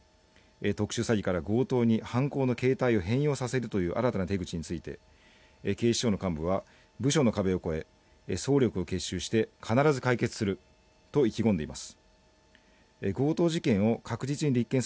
特殊詐欺から強盗に犯行の形態を変容させるという新たな手口について警視庁の幹部は、部署の壁を越え総力を結集して必ず解決すると意気込んでいます。